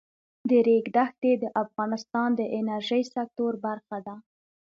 د ریګ دښتې د افغانستان د انرژۍ سکتور برخه ده.